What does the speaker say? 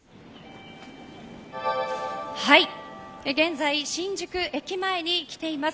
現在、新宿駅前に来ています。